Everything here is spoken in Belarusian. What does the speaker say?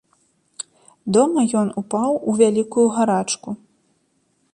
Дома ён упаў у вялікую гарачку.